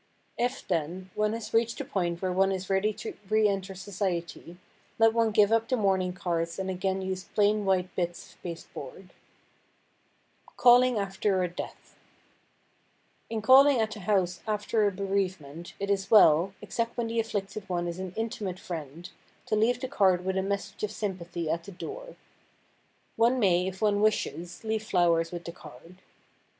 If, then, one has reached the point where one is ready to reenter society, let one give up the mourning cards and again use plain white bits of pasteboard. [Sidenote: CALLING AFTER A DEATH] In calling at a house after a bereavement, it is well, except when the afflicted one is an intimate friend, to leave the card with a message of sympathy at the door. One may, if one wishes, leave flowers with the card.